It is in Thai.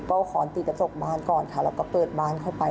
เอาขอนตีกระจกบ้านก่อนค่ะแล้วก็เปิดบ้านเข้าไป